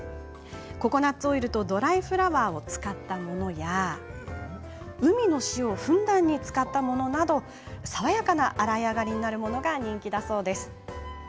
ココナツオイルとドライフラワーを使ったものに海の塩をふんだんに使ったものなど爽やかな洗い上がりになるものが人気だそうです。